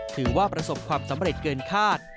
ถือว่าประสบความสำเร็จเกินคาด